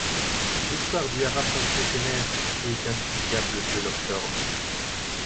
L’histoire du haras princier Senner est indissociable de Lopshorn.